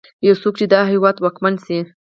يو څوک چې د هېواد واکمن شي.